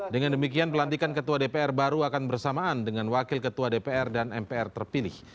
dengan demikian pelantikan ketua dpr baru akan bersamaan dengan wakil ketua dpr dan mpr terpilih